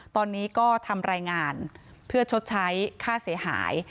ตอนนี้ก็ทำรายงานเพื่อชดใช้ค่าเสียหาย